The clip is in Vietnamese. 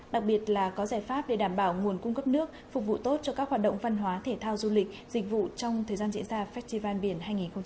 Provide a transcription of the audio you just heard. đặc biệt là có giải pháp để đảm bảo nguồn cung cấp nước phục vụ tốt cho các hoạt động văn hóa thể thao du lịch dịch vụ trong thời gian diễn ra festival biển hai nghìn một mươi chín